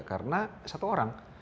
karena satu orang